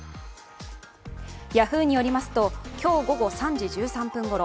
ヤフーによりますと今日午後３時１３分ごろ